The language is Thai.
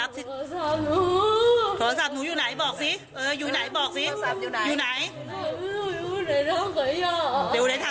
ทำให้อยู่ไหนบอกนิดหนึ่งไหน